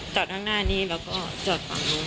จอดข้างหน้านี้แล้วก็จอดฝั่งนู้น